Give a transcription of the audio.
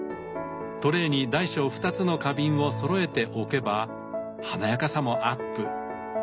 トレーに大小２つの花瓶をそろえておけば華やかさもアップ。